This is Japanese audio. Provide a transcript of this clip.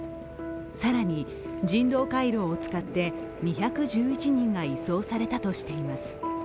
更に人道回廊を使って２１１人が移送されたとしています。